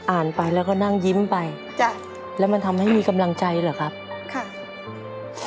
อ่านไปแล้วก็นั่งยิ้มไปจ้ะแล้วมันทำให้มีกำลังใจเหรอครับค่ะ